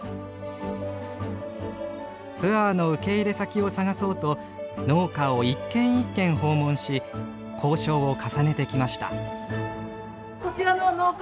ツアーの受け入れ先を探そうと農家を一軒一軒訪問し交渉を重ねてきました。